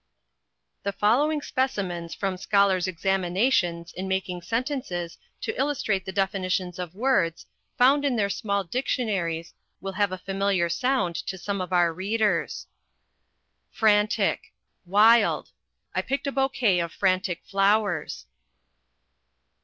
The following specimens from scholars' examinations in making sentences to illustrate the definitions of words, found in their small dictionaries, will have a familiar sound to some of our readers: Frantic = Wild: I picked a bouquet of frantic flowers.